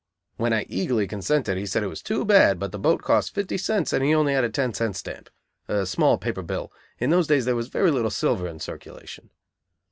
When I eagerly consented he said it was too bad, but the boat cost fifty cents and he only had a ten cent stamp (a small paper bill: in those days there was very little silver in circulation).